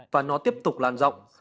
và nó tiếp tục lan rộng